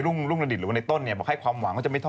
ก็บอกว่าตอนแรกที่คบหากัน